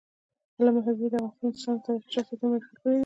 علامه حبیبي د افغانستان تاریخي شخصیتونه معرفي کړي دي.